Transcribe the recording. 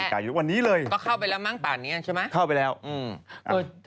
ก็วันนี้แหละก็เข้าไปแล้วมั้งตอนนี้ใช่ไหมอเจมส์ก็วันนี้แหละวันนี้เลย